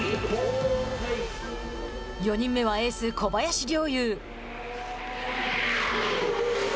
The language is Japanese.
４人目は、エース小林陵侑。